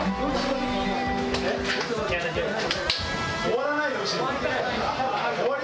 終わらないでほしい。